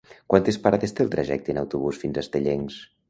Quantes parades té el trajecte en autobús fins a Estellencs?